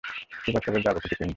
সুপারশপে যাব কিছু কিনতে।